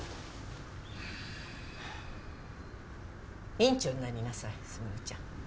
院長になりなさい卓ちゃん。